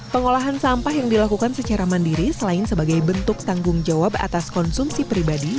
pengolahan sampah yang dilakukan secara mandiri selain sebagai bentuk tanggung jawab atas konsumsi pribadi